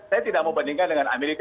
saya tidak mau bandingkan dengan amerika